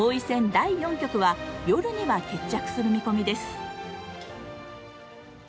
第４局は夜には決着する見込みです。